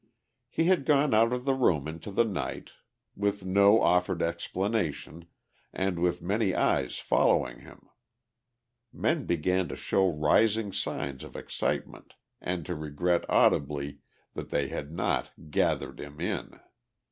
He had gone out of the room into the night with no offered explanation and with many eyes following him; men began to show rising signs of excitement and to regret audibly that they had not "gathered him in."